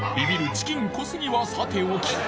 チキン小杉はさておき